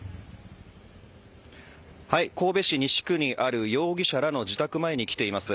神戸市西区にある容疑者らの自宅前に来ています。